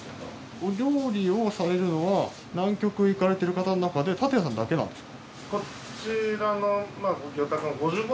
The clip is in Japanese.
お料理をされるのは南極へ行かれてる方の中で竪谷さんだけなんですか？